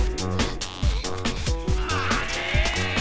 待て！